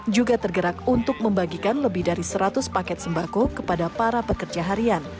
juga tergerak untuk membagikan lebih dari seratus paket sembako kepada para pekerja harian